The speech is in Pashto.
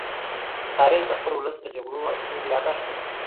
تاریخ د خپل ولس د جګړو او سولې يادښت دی.